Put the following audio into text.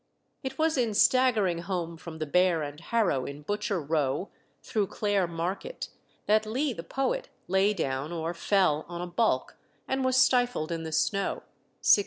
It was in staggering home from the Bear and Harrow in Butcher Row, through Clare Market, that Lee, the poet, lay down or fell on a bulk, and was stifled in the snow (1692).